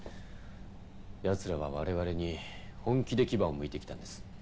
奴らは我々に本気で牙をむいてきたんです。